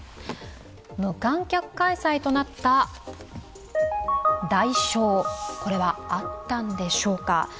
無観客開催となった代償、これはあったんでしょうか。